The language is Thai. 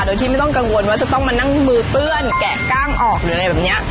โดยที่ไม่ต้องกังวลว่าจะต้องมานั่งมือเปื้อนแกะกล้างออกหรืออะไรแบบนี้